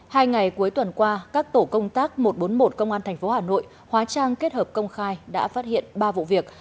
hai ngày cuối tuần qua các tổ công tác một trăm bốn mươi một công an tp hà nội hóa trang kết hợp công khai đã phát hiện ba vụ việc